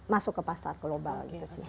masuk ke pasar global